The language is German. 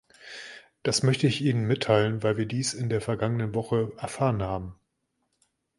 Das möchte ich Ihnen mitteilen, weil wir dies in der vergangenen Woche erfahren haben.